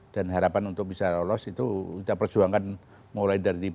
dan harapan untuk bisa lolos itu kita perjuangkan mulai dari